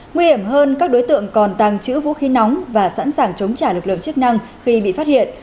nguy hiểm hơn các đối tượng còn tàng trữ vũ khí nóng và sẵn sàng chống trả lực lượng chức năng khi bị phát hiện